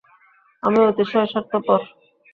আমি অতিশয় স্বার্থপর।